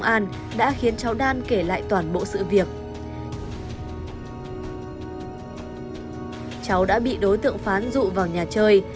tác đã khiến cháu đan kể lại toàn bộ sự việc cháu đã bị đối tượng phán rụ vào nhà chơi